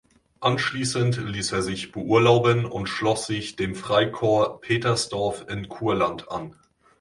Anschließend ließ er sich beurlauben und schloss sich dem Freikorps Petersdorff in Kurland an.